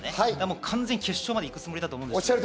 完全に決勝まで行くつもりなんだと思います。